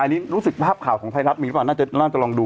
อันนี้รู้สึกภาพข่าวของไทยรัฐมีหรือเปล่าน่าจะลองดู